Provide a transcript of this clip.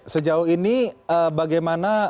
sejauh ini bagaimana